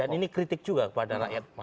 dan ini kritik juga kepada rakyat